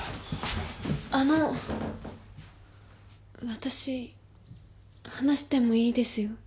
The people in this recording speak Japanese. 私話してもいいですよ。